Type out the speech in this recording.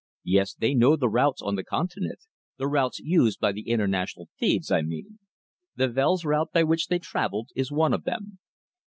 Yes, they know the routes on the Continent the routes used by the international thieves, I mean. The Wels route by which they travelled, is one of them."